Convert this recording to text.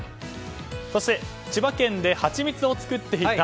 そして千葉県でハチミツを作っていた。